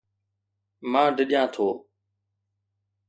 مان ڊڄان ٿو